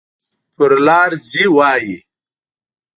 پر لار ځي وایي.